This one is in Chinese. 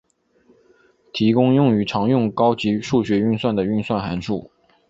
提供用于常用高级数学运算的运算函数。